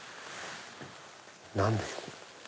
何でしょう？